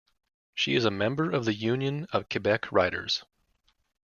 She is a member of the Union of Quebec Writers.